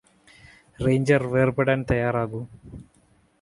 ranger വേര്പെടാന് തയ്യാറാകൂ